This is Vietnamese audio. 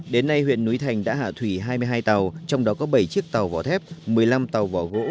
đến nay huyện núi thành đã hạ thủy hai mươi hai tàu trong đó có bảy chiếc tàu vỏ thép một mươi năm tàu vỏ gỗ